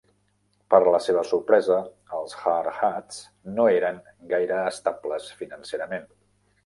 Per a la seva sorpresa, els "Hardhats" no eren gaire estables financerament.